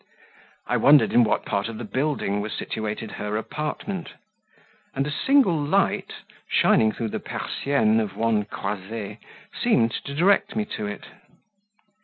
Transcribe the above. I wondered in what part of the building was situated her apartment; and a single light, shining through the persiennes of one croisee, seemed to direct me to it.